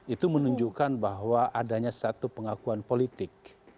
itu menunjukkan bahwa adanya satu pengakuan politik